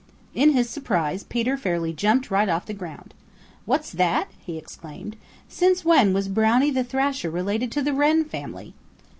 In his surprise Peter fairly jumped right off the ground. "What's that?" he exclaimed. "Since when was Brownie the Thrasher related to the Wren family?"